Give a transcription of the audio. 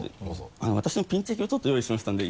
私のピンチェキをちょっと用意しましたので。